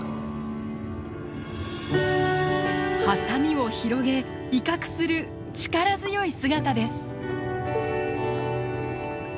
ハサミを広げ威嚇する力強い姿です。